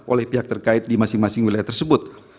oleh pihak terkait di masing masing wilayah tersebut